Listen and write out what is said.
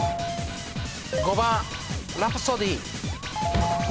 ５番ラプソディー。